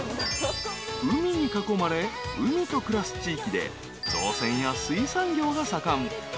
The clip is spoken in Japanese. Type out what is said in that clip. ［海に囲まれ海と暮らす地域で造船や水産業が盛ん］